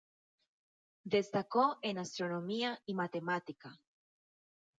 Destacó en astronomía y matemática.